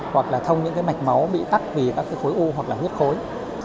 hoặc là thông những mạch máu bị tắt vì các khối u hoặc là huyết khối